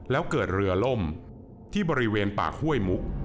แล้วเกิดเรือล่มที่บริเวณปากห้วยมุก